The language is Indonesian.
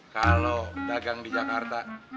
kalo dagang di jakarta